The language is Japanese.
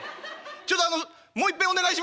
ちょっとあのもういっぺんお願いします」。